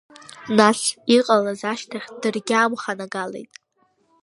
Нас, иҟалаз ашьҭахь, даргьы амханагалеит.